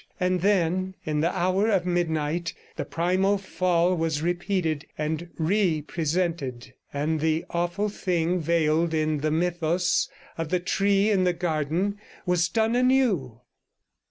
And then, in the hour of midnight, the primal fall was repeated and re presented, and the awful thing veiled in the mythos of the Tree in the Garden was done anew.